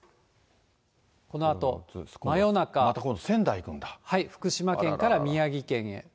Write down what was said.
このあと、また今度、福島県から宮城県へ。